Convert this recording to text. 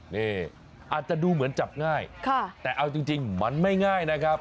นี่อาจจะดูเหมือนจับง่ายแต่เอาจริงมันไม่ง่ายนะครับ